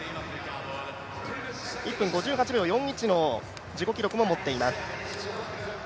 １分５８秒４１の自己記録も持っています。